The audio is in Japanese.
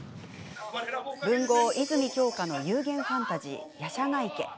文豪・泉鏡花の幽玄ファンタジー「夜叉ヶ池」。